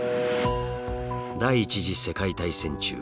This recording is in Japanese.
第１次世界大戦中